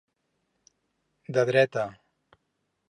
De dret a.